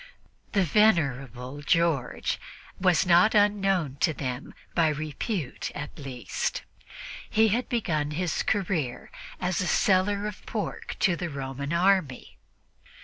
The "venerable" George was not unknown to them by repute, at least. He had begun his career as seller of pork to the Roman army.